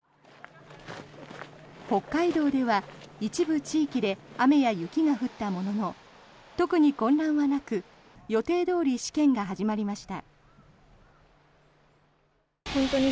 北海道では一部地域で雨や雪が降ったものの特に混乱はなく予定どおり試験が始まりました。